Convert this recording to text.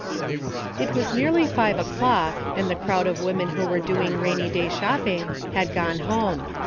It was nearly five o'clock, and the crowd of women who were doing rainy day shopping had gone home.